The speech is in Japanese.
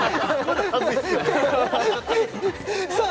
さあ